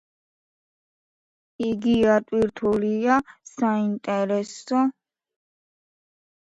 იგი ავტორია საინტერესო გამოკვლევებისა ფედერიკო გარსია ლორკას შესახებ.